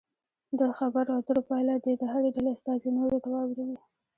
د خبرو اترو پایله دې د هرې ډلې استازي نورو ته واوروي.